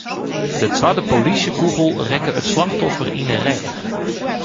De twadde polysjekûgel rekke it slachtoffer yn 'e rêch.